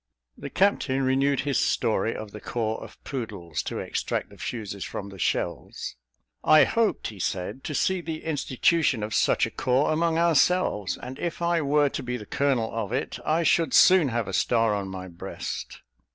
The captain renewed his story of the corps of poodles to extract the fuses from the shells. "I hoped," he said, "to see the institution of such a corps among ourselves; and if I were to be the colonel of it, I should soon have a star on my breast."